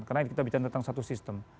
karena kita bicara tentang satu sistem